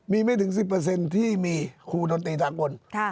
มีไม่ถึง๑๐ที่มีครูดนตรี๓คน